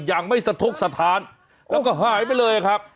อย่างไม่สะทกสถานแล้วก็หายไปเลยครับ